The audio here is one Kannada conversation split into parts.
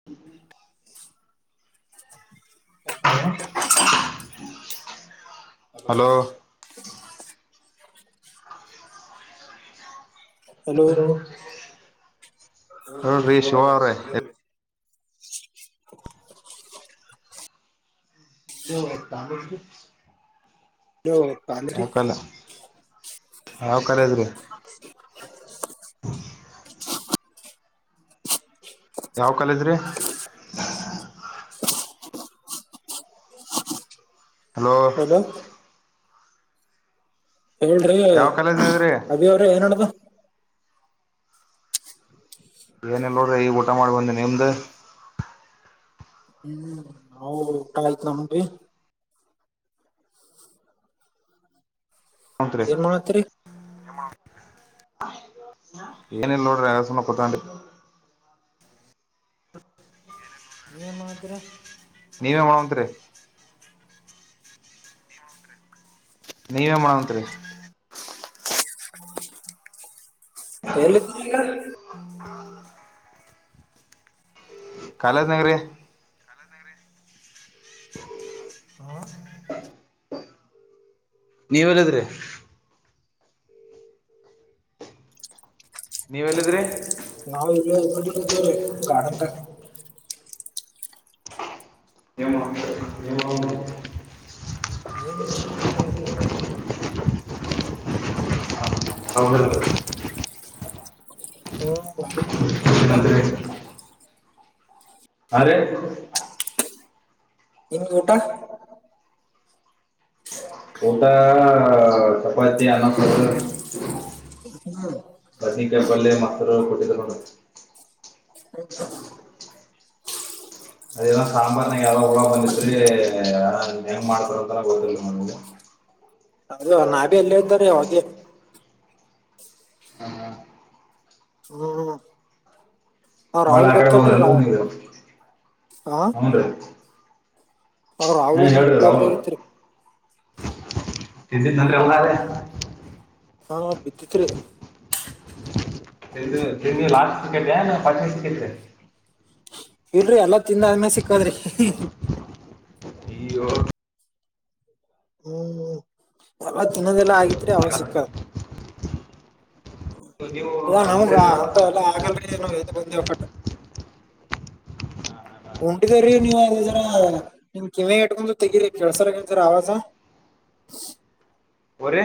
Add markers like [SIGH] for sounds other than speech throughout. [INAUDIBLE] ಹಲೋ ಹಲೋ [INAUDIBLE] ಹೇಳ್ರಿ ಶಿವ ಅವ್ರೆ [INAUDIBLE] ಹಲೋ ಪಾಂದ್ರಿ ಯಾವ ಕಲ್ಲ ಯಾವ್ ಕಾಲದ್ರೀ ‌. ಯಾವ ಕಾಲೇಜ್ರಿ. [INAUDIBLE] ಹಲೋ ಹೇಳ್ರಿ ಯಾವ ಕಾಲೇಜ್ನದ್ರಿ ಅದಿ ಅವ್ರಿ ಏನ್ಡ್ದ. ಏನ ಇಲ್ ನೋಡ್ರಿ ಈಗ ಊಟ ಮಾಡಿ ಬಂದಿ ನಿಮ್ದ್. ಹ್ಮ್ ನಾವು ಊಟ ಆಯ್ತು ನಮರಿ. ತ್ರಿ ಏನ್ ಮಾಡ ಹತ್ತಿರಿ. ಏನ ಇಲ್ಲ ನೋಡ್ರಿ ಅಂಗೆ ಸುಮ್ನೆ ಕೊತ್ತಂಡ್ರಿ. ನೀ ಮಾತ್ರ ನೀವೇ ಮಾಡೋ ಅಂತ್ರಿ ನೀವೇ ಮಾಡಂತ್ರಿ. ಎಲ್ಲಿ [UNINTELLIGIBLE] [INAUDIBLE] ಕಾಲದನಾಗ್ರಿ [INAUDIBLE] ಹ [INAUDIBLE] ನೀವಲ್ಲಿದ್ರಿ. ನೀವೆಲ್ಲಿದ್ರಿ. ನಾವು ಇದ್ದೇವ್ರೀ ಗಾರ್ಡ್ನಾಗ. ನಿಮ್ಮ ಹ [INAUDIBLE] ಏನೇನು ಸಮ್ ಕುಂತಾರೆ. ಅವರು ಹ್ಮ್ [UNINTELLIGIBLE] [INAUDIBLE] ಅರೆ ನಿಮ್ದ್ ಊಟ ಊಟಾ ಚಪಾತಿ ಸೊಪ್ ಸಾರು ಅನ್ನ. ಬದ್ನಿಕಾಯ್ ಪಲ್ಯೆ ಮೊಸ್ರು ಕೊಟ್ಟಿದರ್ ನೋಡ. [INAUDIBLE] ಅದಲ್ಲ ಸಾಂಬಾರ್ನಾಗ ಯಾವ್ದೋ ಹುಳ ಬಂದಿದ್ರರಿ ಹೆಂಗ ಮಾಡ್ತಾರ ಅಂತ ಗೊತ್ತಿಲ್ಲ ನಮ್ಗ. ಹೌದು ನಾ ಭಿ ಎಲ್ಲ ಇದ್ದರೆ ಹ. ಹಾ ಹಾ ಹ್ಮ ಹ್ಮ ಒಳ ಆಕಬೋದಂತ ನೀ ಹಾ ಹನ್ರೀ. ಅವ್ ರಾಹುಲ್ ಏ ಒಂದ್ ಹೇಳ ರಾಮ ಪ್ಲೇಟ್ದಾಗ ಇತ್ರಿ ಇದ್ದಿದ್ದನ್ ಅವನಾರ. ಹಾ ಬಿದ್ದಿತ್ರಿ ತಿ ತಿು ಲಾಸ್ಟ್ ಕಿಕೆಟ್ ಯ ಪಂಚಾಸ್ ವಿಕೆಟ್ಟ. ಇಲ್ರಿ ಎಲ್ಲಾ ತಿಂದಾದ್ಮೇ ಸಿಕ್ಕದ್ರಿ ಹಿ ಹಿ ಹ. ನೀ ಯೊ. ಹ್ಮ್ ಎಲ್ಲ ತಿನ್ನದೆಲ್ಲ ಆಗೇತ್ರಿ ಅವ ಸಿಕ್ಕ. ನೀವು ಇದ ನಮಗ ಉಂಡ್ರಿಲ್ಲ ಅಂತ ಎಲ್ಲಾ ಆಗಲ್ರಿ ಎದ್ ಬಂದೆವ್ ಕಟ್ಟ. ಹಾ ಉಂಟಿದ್ರೀ ನೀವ ನಿಮ್ ಕಿವಿ ಇಟ್ಕೊಂಡು ತೆಗಿರಿ ಕೆಲ್ಸರ ಆವಾಜ. [UNINTELLIGIBLE] ಒರೆ.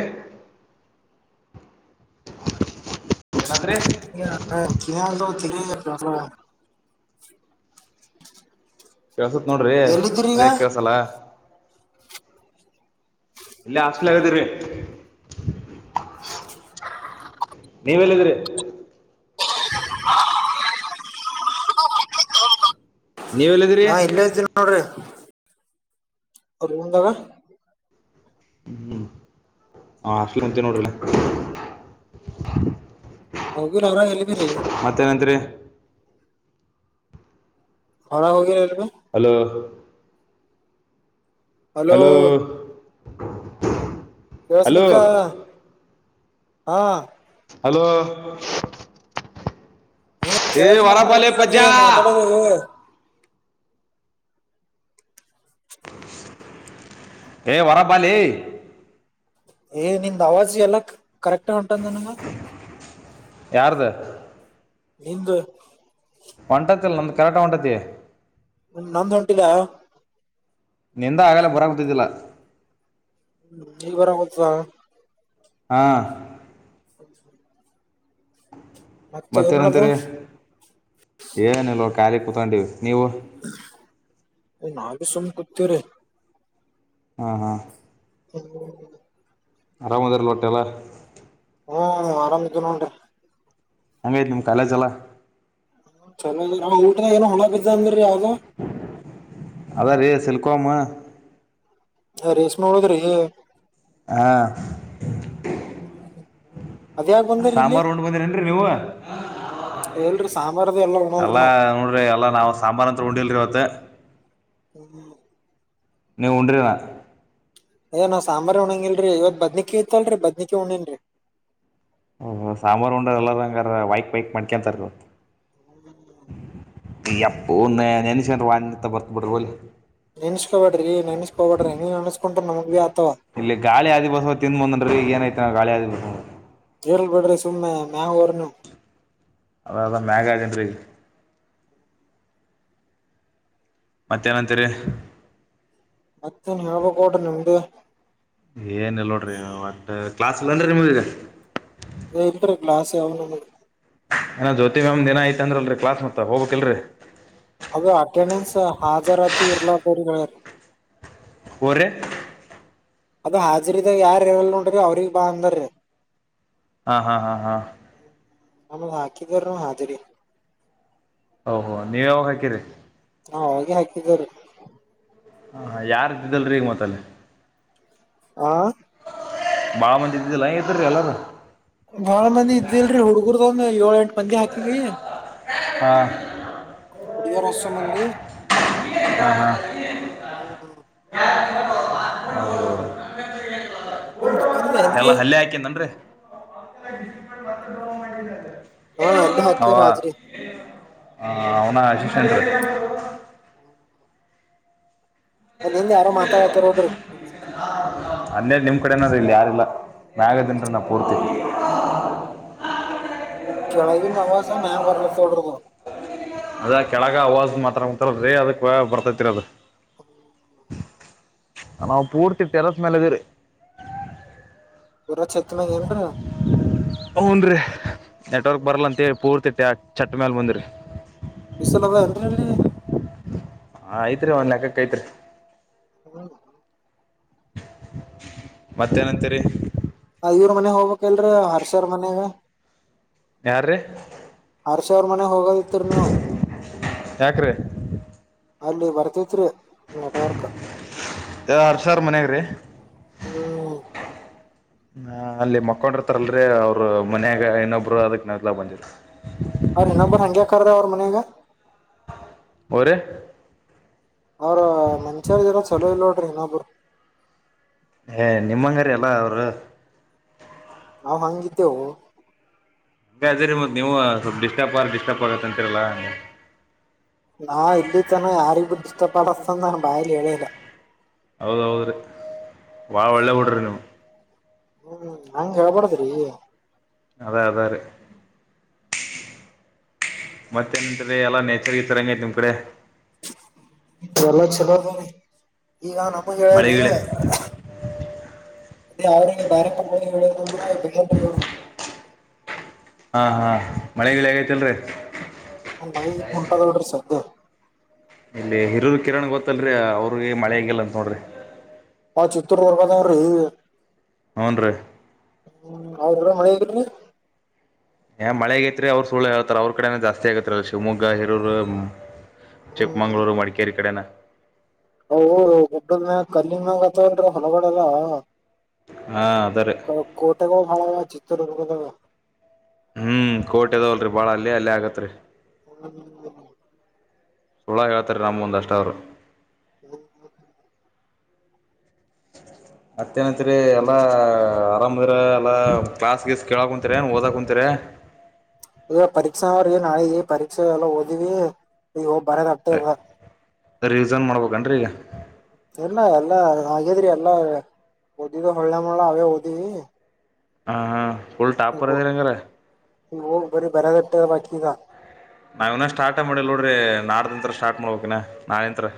ಏನಂದ್ರಿ. ಏ ಅ [UNINTELLIGIBLE] ಕೆಳುಸ್ತ್ ನೋಡ್ರಿ ಎಲ್ಲಿದ್ದೀರಿ ಈಗ ಅದ್ಯಾಕ್ ಕೆಸಲ್ಲ. ಇಲ್ಲೆ ಹಾಸ್ಲಗದ್ರೀ. [UNINTELLIGIBLE] ನೀವೆಲ್ಲಿದ್ರಿ. ನೀವೆಲ್ಲಿದ್ದೀರಿ ನಾ ಇಲ್ಲೇ ಇದ್ದೇನಿ ನೋಡ್ರಿ ಅವ್ರ್ ರೂಮ್ದಾಗ. ಹ್ಮ್ ಆಫಲ್ ಕುಂತೇನಿ. ಹೋಗಿರ್ ಅವ್ರ ಎಲ್ದಿರಿ. ಮತ್ತೇನಂತ್ರಿ. ಹೊರ ಹೋಗಿ ಎವೆ. ಅಲೋ ಹಲೋ ಕೆಳ್ಸಬೇಕ ಹಲೋ ಹಾ ಹಲೋ ಹೊ ಏ ಕೇಳ್ಸ್ಲತ್ತ ವರಬಾಲೆ ಅವಾಗಿಂದ ಪಜ್ಜಾ ಮಾತಾಡೋದು. ಏ ವರಬಲೆ. ಏ ನಿನ್ದ್ ಅವಾಜ್ ಎಲ್ಲ ಕರೆಕ್ಟ್ ಹೊಂಟದನಲ್ಲ. ಯಾರ್ದ ನಿಂದು ಹೊಂಟಾತಲ್ಲ ನಂದು ಕರೆಕ್ಟ್ ಒಂಟೈತಿ. ನಂದ್ ಹೊಂಟಿಲ್ಲ. ನಿಂದ ಆಗಲೆ ಬರ ಗತಿದ್ದಿಲ್ಲ. ನೀ ಬರ ವಲ್ಸ. ಹಾಂ [UNINTELLIGIBLE] ಮತ್ತ ಏನ್ ನಡದ ಮತ್ತೇನಂತರಿ ಏನಲ್ವ ಖಾಲಿ ಕೂತ್ಕೊಂಡಿವ್ ನೀವು. ಏ ನಾವಿ ಸುಮ್ ಕುೂತೀವ್ರೀ. ಹಾ ಹಾ [UNINTELLIGIBLE] ಅರಾಮ್ ಅದಿರ್ ವಾಟೆಲ್ಲಾ. ಹ್ಮ್ ಆರಾಮಿದ್ದೇವ್ ನೋಡ್ರ. ಹಂಗೈತ್ ನಿಮ್ ಕಾಲೇಜ್ ಎಲ್ಲ. ಚಲೋ ಊಟದಾಗ್ ಏನೋ ಹುಳ ಬಿದ್ದ ಅಂದ್ರೀ ಯಾವ್ದದೊ. ಅದ ರೀ ಸಿಲ್ಕೋವರ್ಮಾ. ಹ ರೇಷ್ಮೆ ಹೊಯ್ದರಿ. ಹಾಂ [UNINTELLIGIBLE] ಅದ್ಯಾಗ ಬಂದ್ರಿ ಇಲ್ಲಿ ಸಾಂಬಾರ್ ಉಂಡ್ ಬಂದಿರನ್ರಿ ನೀವ. ಎಲ್ರಿ ಸಾಂಬಾರ್ದು ಎಲ್ಲ. ಉಣಲ್ರಿ ಎಲ್ಲ ನಾವ್ ನೋಡ್ರಿ ಎಲ್ಲ ನಾವು ಸಾಂಬಾರ್ ಅಂತ ಉಂಡಿಲ್ರಿ ಇವತ್ತ. ಹ್ಮ್್ಮ [UNINTELLIGIBLE] ನೀವು ಉಂಡ್ರೇನೇ ಹೇ ಸಾಂಬಾರಿ ಉಣಂಗಲ್ರರಿ ಇವತ ಬದನೆಕಾಯಿ ಇತ್ತಲರಿ ಬದನೆಕಾಯಿ ಉಂಡಿನ್ರೀ ಓ ಸಾಂಬಾರ್ ಉಂಡರ ಎಲ್ಲಾರ ಹಂಗಾರ ವೈಕ್ ವೈಕ್ ಮಾಡ್ಕೊಂತಾರ [INAUDIBLE] ಎಅಪ್ಪ ಒ ನೆನಸಿಕೊಂಡರೆ ವಾಮಿಟ್ ಬರುತ್ತೆ ಬಿಡರೀ ಹೋಗ್ಲಿ ನೆನ್ಸ್ಕೊಬೇಡ್ರಿ ನೆನ್ಸ್ಕಬಡ್ರಿ ನೀನ್ ಅನ್ಸ್ಕ ನಮಗ್ ಭ ಬಿ ಆತವಾ ಇಲ್ಲಿ ಗಾಳಿ ಆದಿಬಸವ ತಿಂದ್ಂದ್ರರಿ ಈ ಏನ ಐತ ಗಾಳಿ ಆದಿ ಇರಲ ಬಿಡ್ರಿ ಸುಮ್ಮನೆ ಮ್ಯಾಗ್ ಹೋರಿ ನೀವು ಅದ ಅದ ಮ್ಯಾಗ ಅದನ್ರಿ ಈಗ ಮತ್ತೇನಂತರಿ ಮತ್ತೇನ್ ಹೇಳಬೇಕು ನೋಡ್ರಿ ನಿಮ್ಮದೇ ಏನ್ ಇಲ್ಲ ನೋಡ್ರಿ ವಟ್ ಕ್ಲಾಸ್ ಇಲ್ಲನ್ರಿ ನಿಮ್ದ ಈಗ ಎ ಇಲರಿ ಕ್ಲಾಸ್ ಯಾವ ನಮ್ಗ ಏನ ಜ್ಯೋತಿ ಮ್ಯಾಮ್ ದಿನ ಯಐತ ಅಲರಿ ಕ್ಲಾಸ್ ಮತ್ತ ಹೋಗಬೇಕಲ್ರಿ ಅದ ಅಟೆಂಡೆನ್ಸ್ ಹಾಜರತಿ ಇರ್ಲರ ದವರಿಗೇ ಹೋರಿ ಅದು ಹಾಜರಿದಾಗ ಯಾರ ಇರಲ್ಲ ನೋಡ್ರಿ ಅವ್ರಿಗ್ ಬಾ ಅಂದಾರೀ ಹಾ ಹಾ ಹಾ ಹಾ ನಮಗ ಹಾಕಿದರ ಹಾಜರಿ ಓಹೋ ನೀವು ಯಾವಾಗ ಹಾಕಿರಿ ಹಾ ಆವಾಗಿ ಹಾಕಿದೇವರೀ ಹಾ ಹಾ ಯಾರ ಇದ್ದಿದಲ್ರಿ ಈಗ ಮತ್ತಲೆ ಹಾ ಬಾಳು ಮಂದಿ ಇದ್ದಿದಿಲ್ಲ ಇದರಿ ಎಲ್ಲರು ಬಾಳ ಮಂದಿ ಇದ್ದಿಲ್ರರಿ ಹುಡ್ಗರ್ದಂದ ಏಳ ಎಂಟ ಮಂದಿ ಹಾಕಿವಿ ಹಾಂ ಹುಡಿಗೇರ ರಷ್ಟ್ರ ಮಂದಿ ಹಾ ಹ ಹ್ಮ್ ನಿಮ್ ದುಕಾನದ [UNINTELLIGIBLE] ಏನ್ರಿ ಎಲ್ಲ ಹಲ್ಲೆ ಹಾಕನ್ನ್ರಿ ಹಾ ಹಲ್ಲೆ ಹಾಕಿವ್ ಹಾಜರಿ ಹಾ ಅವನ್ ಹಾಕ್ಸಿನ್ ರೀ ಅಲ್ಲಿ ಹಿಂದ್ ಯಾರು ಮಾತಾಡ್ತ ರೋಡ್ರಿ ಅಲ್ಲೇ ನಿಮ್ ಕಡೆನ ಇಲ್ಲಿ ಯಾರಿಲ್ಲ ಮ್ಯಾಗದನ್ರಿ ನಾ ಪೂರ್ತಿ ಕೆಳಗಿನ ಹವಾಜ್ ಮ್ಯಾಲ್ ಬರ್ಲಾತ ಹೇಳರಿ ಅದ ಕೆಳಗ ಅವಾಜ ಮಾತ್ರಕುಂತರ ರೀ ಅದಕ್ ಬರ್ತೈತಿರ ಅದು ನಾವು ಪೂರ್ತಿ ಟೆರಸ್ ಮೇಲೆ ಅದೀವಿರಿ ಪೂರ ಛತ್ನ ಏನ್ರ ಹ್ನ್ ರೀ ನೆಟ್ವರ್ಕ್ ಬರಲ್ಲ ಅಂತೇಳಿ ಪೂರ್ತಿ ಚಟ್ ಮೇಾಲ ಬಂದ್ರರಿ ಬಿಸಲ ಅದ ಅನ್ರಿ ಅಲ್ಲಿ ಹಾ ಐತ್ರಿ ಒಂದ ಲೆಕ್ಕಕ್ ಐತ್ರಿ ಹ ಮತ್ತೆ ಏನಂತೀರೀ ಆ ಇವ್ರ್ ಮನೆಗ ಹೋಗ್ಬೇಕಕ್ಲ್ರೀ ಹರ್ಷರ್ ಮನೆಗ ಯಾರ್ರೀ ಹರ್ಷ ಅವರ್ ಮನೆ ಹೋಗೋದಿತ್ತರ್ ನೀವು ಯಾಕ್ರಿ ಅಲ್ಲಿ ಬರ್ತತ್ರಿ ನೆಟ್ವರ್ಕ್. ಸರ್ ಹರ್ಷ ರ ಮನ್ಯಾಗ ರೀ ಹ್ಮ್ ಹಾ ಅಲ್ಲಿ ಮಕ್ಕೊಂಡ್ರ ತರಲ್ರಿ ಅವರು ಮನ್ಯಾಗ ಇನ್ನೊಬ್ರು ಅದಕ್ ನಾವ ಇತಲಾಗ್ ಬಂದಿವ ರೀ ಅವ್ರ ಇನ್ನೊಬ್ರ್ ಹಂಗ್ಯಾಕ್ ಕರ್ದ ಅವರ ಮನ್ಯಾಗ್ ಅವರ ಅವ್ರ ಮಂಚವ್ರ ಜನ ಚಲೋ ಇಲ್ ನೋಡ್ರಿ ಇನ್ನೊಬ್ರು ಏ ನಿಮ್ಮಂಗಾರ ಅಲ್ಲ ಅವರು ನಾವು ಹಂಗಿದ್ದೆವು ದ್ರೆ ಮತ್ ನೀವು ಸ್ವಲ್ಪ ಡಿಸ್ಟರ್ಬ್ ಆ ಿಸ್ಟರ್ಬ್ ಆಗತ್ತಂತಿರಲ್ಲಾ ನಾ ಇಲ್ಲಿ ತನ ಯಾರಿಗ್ುದ ಇಷ್ಟ ಪಡಿಸತಂದ ನನ್ ಬಾಯಲಿ ಹೇಳಿಲ್ಲ ಹೌದ ಹೌದ್ರೀ ಭಾಳ ಒಳ್ಳೆ ಬಿಡ್ರಿ ನೀವು ಹ್ಮ್ ಹಂಗ ಹೇಳ್ಬಾರಡ್ದ್ರಿ ಅದೇ ಅದೇ ಅ ರೇ ಮತ್ತೆೀ ಎಲ್ಲ ನೇಚರ್ ಈ ತರಂಗೈತಿ ನಿಮ್ ಕಡೆ ಎಲ್ಲ ಚಲೋ ಈಗ ನಮಗೆ ಹೇಳ್ರಿ ಮಳೆಗಿಳೆ ಅವ್ರಿಗೆ ಬಾರಿ ಕ ಹೇಳದಂದ್ರೆ ಬರು ಹಾ ಹಾ ಮಳೆ ಹೇಗೈತಿಲ್ರರಿ ನ ಬಿ ಉಂಟದಲ್ಡ್ರರಿ ಸದ್ಯೆ ಇಲ್ಲಿ ಹಿರೂರು ಕಿರಣ್ ಗೊತ್ತಲ್ರಿ ಅವ್ರಿಗೆ ಮಳೆ ಹೆಂಗಿಲ್ಲ ಅಂತ ನೋಡ್ರಿ ಆ ಚಿತ್ರರ್ದುರ್ಗದವ್ರಿ ಹ್ಞನ್ ರೀ ಹ್ಮ್ ಅವ್ರ ಹೊಣೆಗರಿ ಮಳೆಗೈಐತ್ರಿ ಅವ್ರರು ಸುಳ್ಳು ಹೇಳ್ತ ಅವ್ರ ಕಡೆೇ ಜಾಸ್ತಿ ಆಗತ್ರಲ್ಲ ಶಿವಮಗ್ಗ ಹರೂರು ಚಿಕ್ಮಂಗ್ಳೂರು ಮಡಿಕೇರಿ ಕಡೆನ ಹ ದೊಡ್ಡದ ಮ್ಯಾಗ ಕಲ್ಲಿ ಮ್ಯಾಗ ಅತ್ತವನ್ ಹೊಲಗಡೆಲ್ಲ ಹಾ ಅದರೆ ಹ ಕೋಟೆ ಕ ಭಳ ಹ ಚಿತ್ರದುರ್ಗದ ಹ್ಮ್ ಕೋಟೆ ಆದವಲ್ರಿ ಬಾಳ ಅಲ್ಲೆ ಅಲ್ಲೆ ಆಗತ್ರಿ ಹ್ಮ್ ಸುಳ್ಳ ಹೇಳ್ತಾರೆ ನಂಮುಂದ್ ಅಷ್ಟ ಅವರು ಹ್ಮ ಮತ್ತೇನಂತ್ರಿ ಎಲ್ಲಾ ಆರಾಮದ್ರಾ ಎಲ್ಲಾ ಕ್ಲಾಸ್ ಗೀಸ್ ಕೇಳಕ್ ಕುಂತಿರ ಓದ ಕುಂತಿರ ಈಗ ಪರೀಕ್ಷಾ ಅವ್ರಿಗೆ ನಾಳೆ ಪರೀಕ್ಷೆ ಎಲ್ಲ ಓದಿವಿ ಈಗ ಹೋಗ ಬರದ ಆಟ್ಟೆ [INAUDIBLE] ರೀಸನ್ ಮಾಡ್ಬೇಕಂಡ್ರಿ ಇಲ್ಲ ಎಲ್ಲಾ ಆಗೇದ್ರಿ ಎಲ್ಲಾ ಓದಿದ ಹೊಳ್ಳೆ ಮಳ ಅವೇ ಓದಿವಿ ಹ ಹಾ ಫುಲ್ ಟಾಪರ್ ಅದಿರ್ ಅಂಗಾರೆ ಬರ ಬರ ದಟ್ಟ ಬಟಕಗ ನಾವ ಇನ ಸ್ಟಾರ್ಟ ಮಾಡಿಲ್ಲ ನೋಡ್ರಿ ನಾಡ್ದಂತ್ರ ಸ್ಟಾರ್ಟ್ ಮಾಡ್ಬೇಕಕ್ಿನ ನಾಳೆಂತ್ರ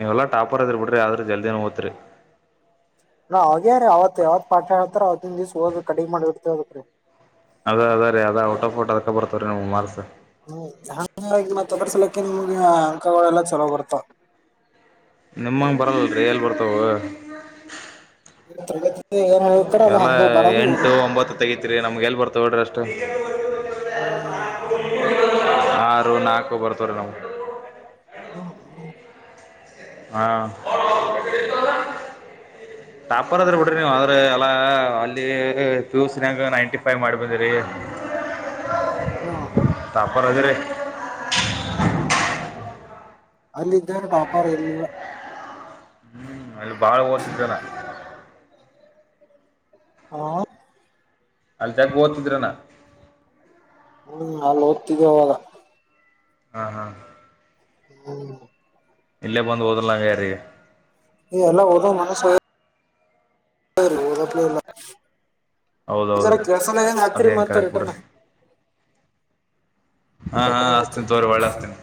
ನೀವೆಲ್ಲಟಾಪರ್ ಎದಿರ್ ಬಿಡ್ರಿ ಆದ್ರ ಜಲ್ದಿನ ಓದ್ತಿರಿ ನಾ [INAUDIBLE] ರೀ ಅವತ್ ಯಾವತ್ ಪಾಠ ಹೇಳ್ತಾರ ಅವತಿಂನ್ ದಿವ್ಸ ಒದ್ ಕಡಿಗ್ ಮಾಡಿಡ್ತೇದ ರೀ ಅದ ಅದ ರೀ ಅದ ಔಟ್ ಆಫ್ಔಟ್ ಅದಕ ಬರ್ತ ರೀ ನಿಮಗ ಮಾರ್ಕ್ಸ್ ಹ್ಮ್ ಹಾಂಗಾಗಿ ಮತ್ ಅದೃಸಲಾಕಿ ನಿಮ್ಗೆ ಅಂಕಗಳ ಎಲ್ಲಾ ಚಲೋ ಬರ್ತಾವ ನಿಮಂಗ ಬರಲಲ್ರಿ ಎಲ್ಲಿ ಬರ್ತಾವ ತರಗತಿ ಏನ್ ಹೇಳ್ತಾರೆ ಅದು ಹಂಗೆ ಬರೋದು ಓದೊದು ತಗಿತಿರಿ ನಮ್ಗೆಲ್ಲಿ ಬರ್ತಾವ್ ಹೊಡ್ರಿ ಅಷ್ಟು ಹ್ಮ್ ಆರು ನಾಲ್ಕು ಬರ್ತವ್ರೀ ನಾವು ಹ್ಮ್ ಹ್ಮ ಹಾ ಟಾಪರ್ ಅದಿರ್ ಬಿಡ್ರಿ ನೀವ್ ಎಲ್ಲ ಅಲ್ಲಿ ಪಿಯುಸಿನಾಗ್ ನೈಂಟಿ ಫೈವ್ ಮಾಡಿ ಬಂದಿರಿ [INAUDIBLE] ವ್ಹಾ ಟಾಪರ್ ಅದಿರಿ ಅಲ್ಲಿ ಇದ್ದಾರೆ ಟಾಪರ್ ಏನ್ ಇಲ್ಲ ಹ್ಮ್ ಅಲ್ಲಿ ಬಾಳ ಓದ್ತಿದ್ದೆನಾ ಹಾ ಅಲ್ಲಿ ಜಗ್ ಓದ್ತಿದ್ರೆನ ಹ್ಮ್ ಅಲ್ ಓದ್ತಿದ ಅವಾಗ ಹ ಹ ಹ್ಮ್ [INAUDIBLE] ಇಲ್ಲೇ ಬಂದು ಓದರ್ಲಾಂಗ ರಿ ಎಲ್ಲ ಓದೊ ಮನಸ್ಸು [INAUDIBLE] ಈತರ ಹೌದೌದ್ರಿ ಕೆಲ್ಸನಾಗ ನಾ ಹತ್ತಿರ ಮತ್ತ ರಿಟರ್ನ್ ಹಾ ಹಾ ಕಟ್ ಮಾಡ್ ಅಸ್ತೇನ ಹಚ್ಚಿರಿ ತೋರಿ ಒಳ್ಳೆ ಅಸ್ತಿನ್